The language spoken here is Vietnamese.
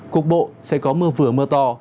cục bộ sẽ có mưa vừa mưa to